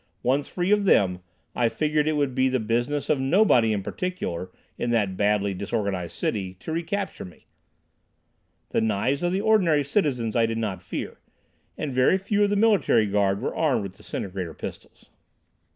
Once free of them, I figured it would be the business of nobody in particular, in that badly disorganized city, to recapture me. The knives of the ordinary citizens I did not fear, and very few of the military guard were armed with disintegrator pistols.